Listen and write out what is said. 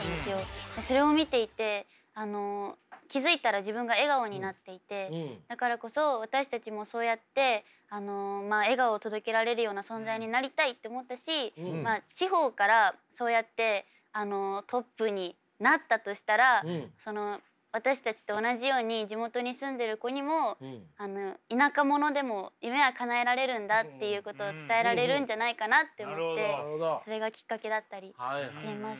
それを見ていて気付いたら自分が笑顔になっていてだからこそ私たちもそうやって笑顔を届けられるような存在になりたいって思ったし地方からそうやってトップになったとしたら私たちと同じように地元に住んでる子にも田舎者でも夢はかなえられるんだっていうことを伝えられるんじゃないかなって思ってそれがきっかけだったりしています。